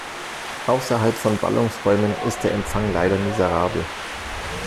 Außerhalb von Ballungsräumen ist der Empfang leider miserabel.